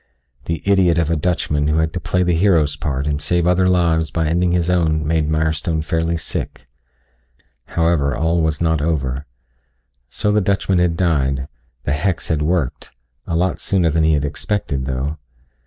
The idiot of a Dutchman who had to play the hero's part and save other lives by ending his own made Mirestone fairly sick. However, all was not over. So the Dutchman had died; the hex had worked a lot sooner than he had expected though.